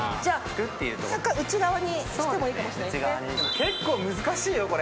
結構、難しいよこれ。